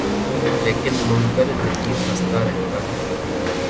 لیکن منکر نکیر ہستہ رہتا ہے